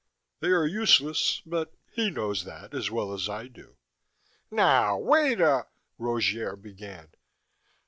They are useless, but he knows that as well as I do." "Now wait a " Rogier began.